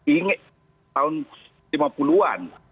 ingat tahun lima puluh an